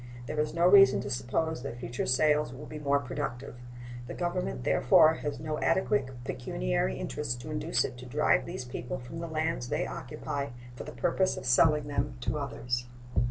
There is no reason to suppose that future sales will be more productive. The Government, therefore, has no adequate pecuniary interest to induce it to drive these people from the lands they occupy for the purpose of selling them to others.